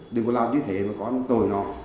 đừng có làm như thế mà con tội nó